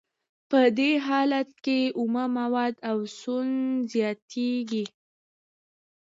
په دې حالت کې اومه مواد او سون توکي زیاتېږي